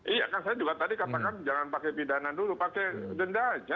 iya kan saya juga tadi katakan jangan pakai pidana dulu pakai denda aja